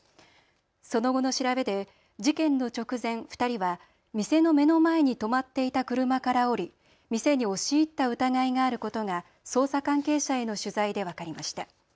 その後の調べで事件の直前、２人は店の目の前に止まっていた車から降り店に押し入った疑いがあることが捜査関係者への取材で分かりました。